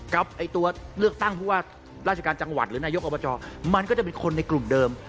ไอ้ตัวเลือกตั้งผู้ว่าราชการจังหวัดหรือนายกอบจมันก็จะเป็นคนในกลุ่มเดิม